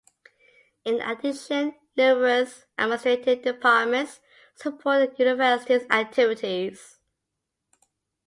In addition, numerous administrative departments support the university's activities.